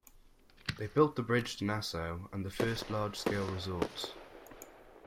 They built the bridge to Nassau and the first large-scale resorts.